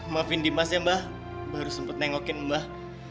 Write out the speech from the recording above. maafin dimas ya mbak baru sempet nengokin mbak